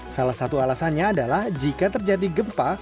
salah satu alasannya adalah jika terjadi gempa